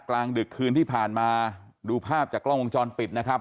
กลางดึกคืนที่ผ่านมาดูภาพจากกล้องวงจรปิดนะครับ